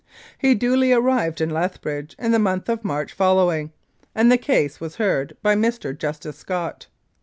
He duly arrived in Lethbridge in the month of March following, and the case was heard by Mr. Justice Scott.